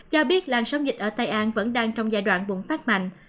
cho biết làn sóng dịch ở tây an vẫn đang trong giai đoạn bùng phát mạnh